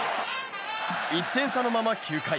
１点差のまま、９回。